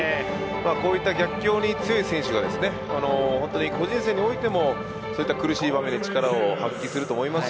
こういった逆境に強い選手が個人戦においても苦しい場面で力を発揮すると思います。